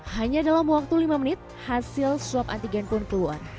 hanya dalam waktu lima menit hasil swab antigen pun keluar